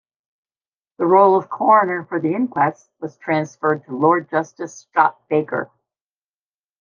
The role of coroner for the inquests was transferred to Lord Justice Scott Baker.